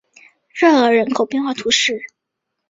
热尔人口变化图示